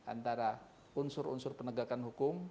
antara unsur unsur penegakan hukum